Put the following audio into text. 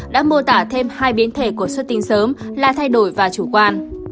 đã mô tả thêm hai biến thể của xuất tinh sớm là thay đổi và chủ quan